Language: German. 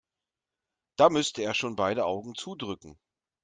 Da müsste er schon beide Augen zudrücken.